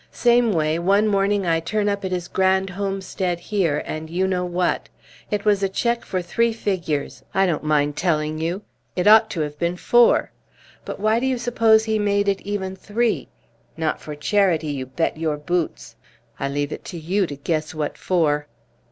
Same way, one morning I turn up at his grand homestead here and you know what! It was a check for three figures. I don't mind telling you. It ought to have been four. But why do you suppose he made it even three? Not for charity, you bet your boots! I leave it to you to guess what for."